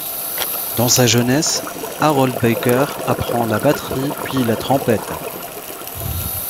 Dans sa jeunesse, Harold Baker apprend la batterie puis la trompette.